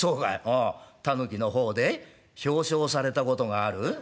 『狸の方で表彰されたことがある』？